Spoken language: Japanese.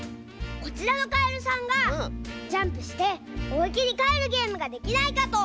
こちらのかえるさんがジャンプしておいけにかえるゲームができないかと！